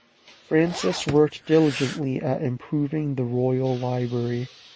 Francis worked diligently at improving the royal library.